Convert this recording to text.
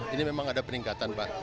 ini memang ada peningkatan pak